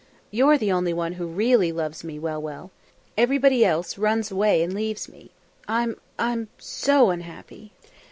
"You're the only one who really loves me, Well Well. Everybody else run away and leaves me. I'm I'm, so unhappy!"